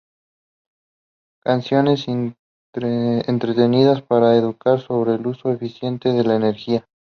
Canciones entretenidas para educar sobre el uso eficiente de la energía.